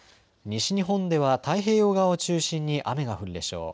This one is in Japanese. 西日本では太平洋側を中心に雨が降るでしょう。